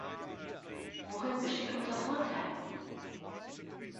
Worin besteht unser Vorteil?